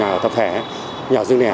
nhà tập thể nhà dân đẻ